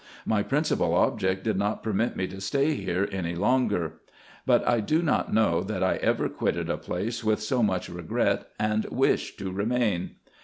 My principal object did not permit me to stay here any longer ; but I do not know that I ever quitted a place with so much regret and wish to remain.